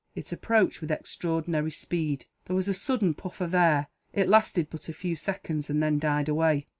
It approached with extraordinary speed. There was a sudden puff of air. It lasted but a few seconds, and then died away.